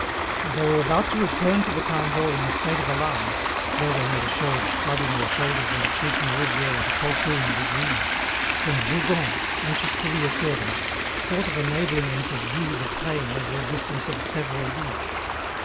And they were about to return to the town hall in a state of alarm, though they made a show of shrugging their shoulders and of treating Roudier as a poltroon and a dreamer, when Rougon, anxious to reassure them, thought of enabling them to view the plain over a distance of several leagues.